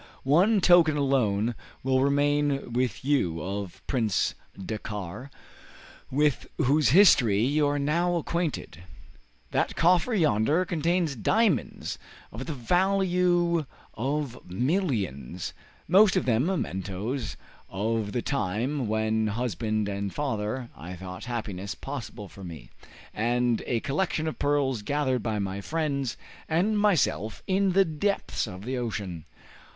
One token alone will remain with you of Prince Dakkar, with whose history you are now acquainted. That coffer yonder contains diamonds of the value of many millions, most of them mementoes of the time when, husband and father, I thought happiness possible for me, and a collection of pearls gathered by my friends and myself in the depths of the ocean.